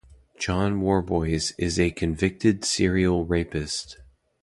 John Worboys is a convicted serial rapist.